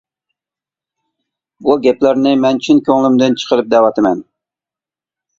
بۇ گەپلەرنى مەن چىن كۆڭلۈمدىن چىقىرىپ دەۋاتىمەن.